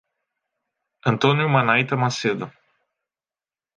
Antônio Manaita Macedo